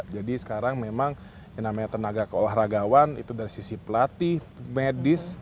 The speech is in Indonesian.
jadi sekarang memang yang namanya tenaga olahragaman itu dari sisi pelatih medis